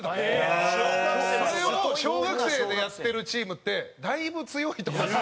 澤部：それを小学生でやってるチームってだいぶ強いと思います。